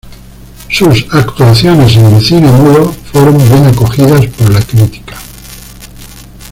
Sus actuaciones en el cine mudo fueron bien acogidas por la crítica.